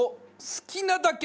好きなだけ？